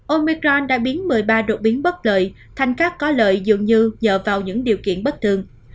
omecron đã biến một mươi ba đột biến bất lợi thành các có lợi dường như dựa vào những điều kiện bất thường